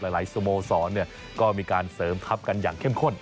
สโมสรก็มีการเสริมทัพกันอย่างเข้มข้น